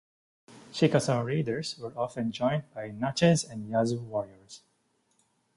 Chickasaw raiders were often joined by Natchez and Yazoo warriors.